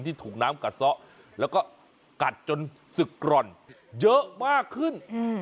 ถูกน้ำกัดซะแล้วก็กัดจนศึกกร่อนเยอะมากขึ้น